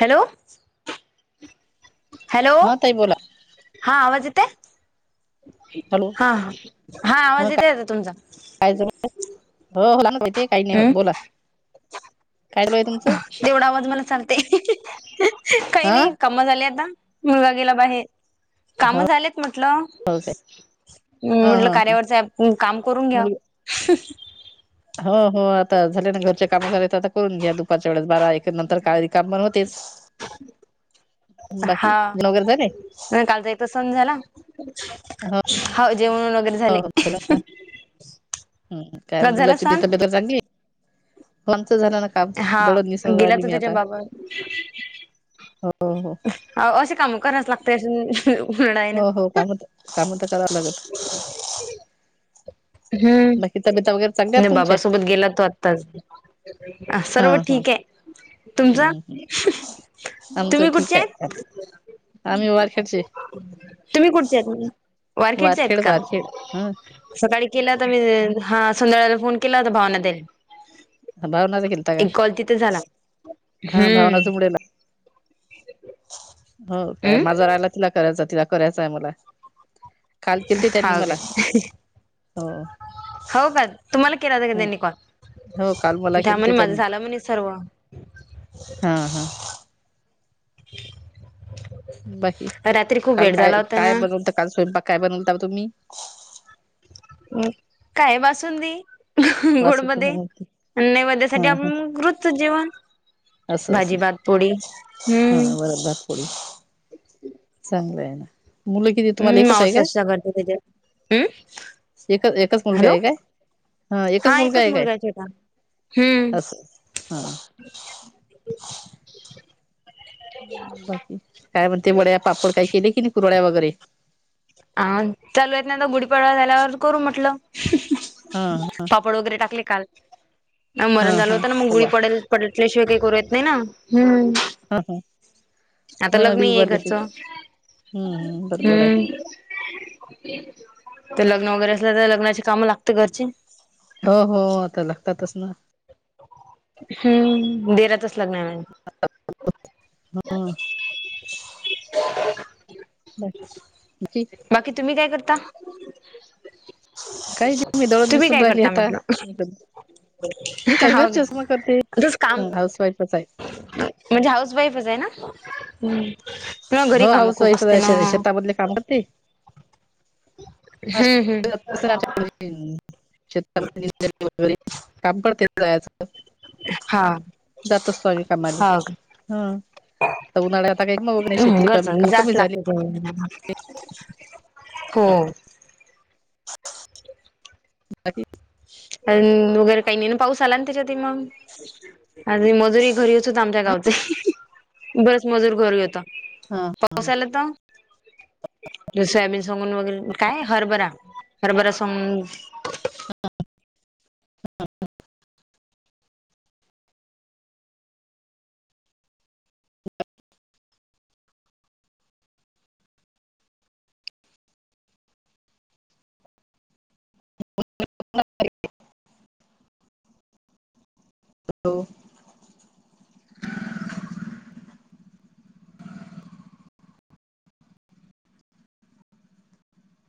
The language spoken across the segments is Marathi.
हॅलो हॅलो हा ताई बोला हा आवाज येतय. हॅलो हा हा हा ह आवाज येतेय आता तुमचा [inaudible] काही नाही होत. हम् बोला काय चालू आहे तुमचं तेवढा आवाज मला चालतय काही हा नाही मला झाले आता मुलगा गेला बाहेर काम झालेत म्हटलं ह म्हणून म्हटलं ह ह कार्यावरच ॲप काम करून घ्याव मुलगी हो हो आता झाल्या ना घरच्या काम झालेत आता करून घ्या दुपारच्या वेळेस बारा एक नंतर का काम पण होतेच बाकी जेवण वगैरे झाले तसं जाऊन झाला. हो हाव जेवण वगैरे झाले हम काय म कस झाला मुलाची सण तब्येत हाय आता चागली [inaudible] झाला ना काम हा दळण मिसून गेला राहिली तो मी त्याच्या आता बाबा हो हो अ अशी काम कराच लागते [inaudible] हो हो काम त काम तर करावं लागल हम बाकी तब्येता वगैरे चांगल्या आहेत त्याच्या तुमच्या बाबासोबत गेला तो आत्ताच हा सर्व हा ठीक आहे तुमचा हम्म आमचं तुम्ही ठीक कुठचे आहे आम्ही वारखेडचे तुम्ही कुठचे आहेत वारखेटचे आहेत वारखेड का वारखेड हा सकाळी केलं तर मी हा संध्याळला फोन केला होता भावना तेन भावनाचा केलता का? एक कॉल तिथं झाला हा हम भावनाचा मुडेला हो काय माझा हम्म राहायलाच ना करायचा तिला करायचं आहे मला काल केलते त्यांनी हाव मला काय? हो का तुम्हाला केला होता का त्यांनी कॉल हो काल मला त्या म्हणी केलते माझं झालं म्हणी सर्व हम हम [inaudible] बाकी रात्री खूप काल वेळ काय झाला होता काय ना. बनवलत काल स्वयंपाक काय बनवलता व तुम्ही मी काय बासूनंदी वासुकी गोडमध्ये बनवते हा नैवेद्यसाठी हा आपण रोचच जेवण असं असं भाजी भातपोळी हा हम्म वरण भात चांगलं आहे ना मुलं किती तुम्हाला हम्म एकच आहे मावस काय? करते दोन्ही जन हम् एकच एकच मुलगा आहे काय हा एकच मुलगा हाय काय? हम्म असो हा ह [inaudible] बाकी काय म्हणते बड्या पापड काय केले की नाही कुरड्या वगैरे आ चालू आहेत ना तर गुढीपाडवा झाल्यावर करू म्हटलं हा पापड वगैरे टाकले काल हा मरण झालं हा होत ना मग गुढी पडल पडल्याशिवाय काही करू येत नाही ना हम आता हो ना लग्न मी आहे उभारले घरचं हम्म बरोबर आहे हम्म तर लग्न वगैरे असल तर लग्नाची काम लागते घरची हो हो आता लागतातच ना हम्म दिराचच लग्न आहे मा हा बकी बाकी तुम्ही काय करता काही नाही मी दळण तुम्ही निसून काय राहिली करता आता म्हटलं मी काय हाव घे घरचेच काम करते दुस काम हाऊस वाईफच आहे म्हणजे हाऊस वाईफच आहे ना मग घरी हो कामं हाऊस खूप असते वाईफच ना आहे शेतामधले काम करते हम्म हम्म ह् शेत व काम करते जायाच हा जात स्वावी कामारी हो हम तर उन्हा्या आ काही मगग नाही शेती कमी झाली हम् हो बाकी अन वगैरे काही नाही ना पाऊस आला ना त्याच्या आधी मग आणि मजुरी घरी होत आमच्या गावचे मजूर घरी होता पाऊस आला तर सोयाबीन सोगून वगैरे काय हरभरा हरभरा सगून हा ह. [inaudible] [inaudible] हॅलो.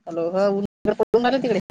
उन्ह पडून राहीले का तिकडे.